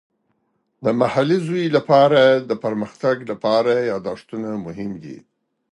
د محلي زوی لپاره د پرمختګ لپاره یادښتونه مهم دي.